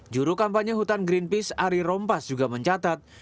juru kampanye hutan greenpeace ari rompas juga mencatat